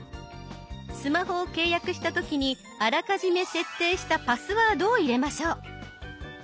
スマホを契約した時にあらかじめ設定したパスワードを入れましょう。